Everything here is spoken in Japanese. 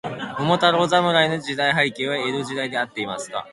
桃太郎侍の時代背景は、江戸時代であっていますか。